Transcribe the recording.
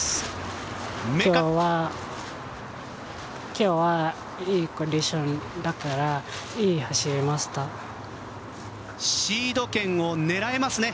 今日はいいコンディションだからいい走りができました。